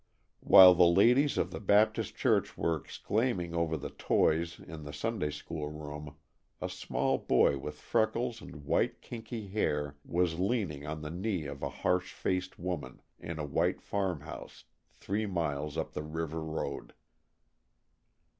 While the ladies of the Baptist Church were exclaiming over the toys in the Sunday school room a small boy with freckles and white, kinky hair, was leaning on the knee of a harsh faced woman in a white farm house three miles up the river road.